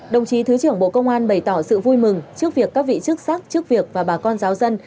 đồng chí thứ trưởng bộ công an bày tỏ sự vui mừng trước việc các vị chức sắc chức việc và bà con giáo dân